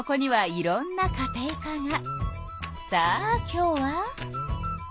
さあ今日は。